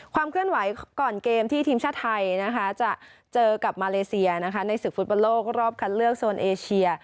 ความเคลื่อนไหวก่อนเกมที่ทีมชาติไทยนะคะจะเจอกับมาเลเซียนะคะในศึกฝุ่นประโลกรอบคันเลือกโซนเอเชีย